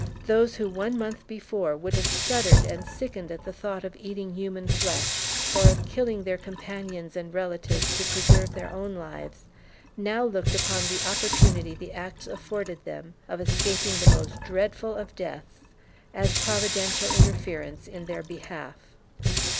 Those who one month before would have shuddered and sickened at the thought of eating human flesh, or of killing their companions and relatives to preserve their own lives, now looked upon the opportunity the acts afforded them of escaping the most dreadful of deaths as providential interference in their behalf.